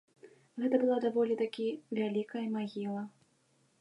Гэта была даволі такі вялікая магіла.